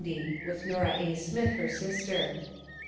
(With Nora A. Smith, her sister.